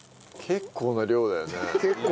結構な量だね。